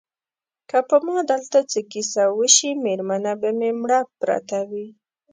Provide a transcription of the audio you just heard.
که په ما دلته څه کیسه وشي مېرمنه به مې مړه پرته وي.